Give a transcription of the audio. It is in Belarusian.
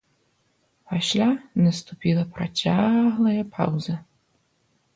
Пасля наступіла працяглая паўза.